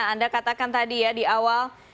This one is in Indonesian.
anda katakan tadi ya di awal